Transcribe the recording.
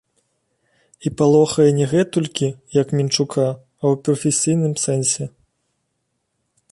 І палохае не гэтулькі, як мінчука, а ў прафесійным сэнсе.